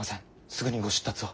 すぐにご出立を。